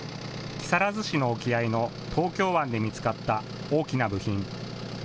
木更津市の沖合の東京湾で見つかった大きな部品。